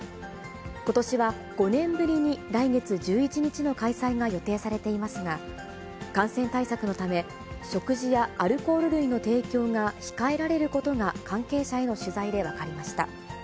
ことしは、５年ぶりに来月１１日の開催が予定されていますが、感染対策のため、食事やアルコール類の提供が控えられることが、関係者への取材で分かりました。